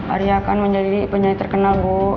ari akan menjadi penyanyi terkenal bu